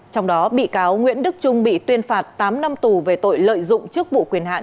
trong đó bị cáo nguyễn đức trung bị tuyên phạt tám năm tù về tội lợi dụng chức vụ quyền hạn